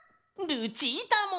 ルチータも！